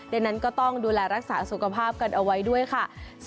ดังนั้นก็ต้องดูแลรักษาสุขภาพกันเอาไว้ด้วยค่ะ